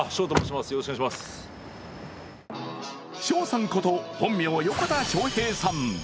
ＳＨＯさんこと、本名・横田昇平さん